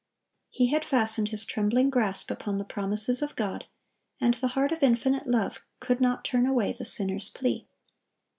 He had fastened his trembling grasp upon the promises of God, and the heart of Infinite Love could not turn away the sinner's plea.